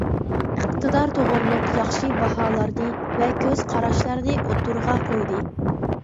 ئىقتىدار توغرۇلۇق ياخشى باھالارنى ۋە كۆز قاراشلارنى ئوتتۇرىغا قويدى.